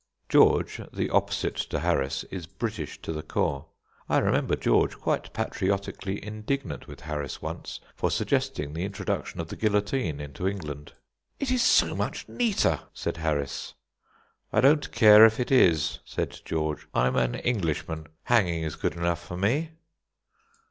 George, the opposite to Harris, is British to the core. I remember George quite patriotically indignant with Harris once for suggesting the introduction of the guillotine into England. "It is so much neater," said Harris. "I don't care if it is," said George; "I'm an Englishman; hanging is good enough for me."